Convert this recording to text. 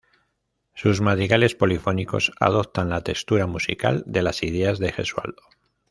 Sus madrigales polifónicos adoptan la textura musical de las ideas de Gesualdo.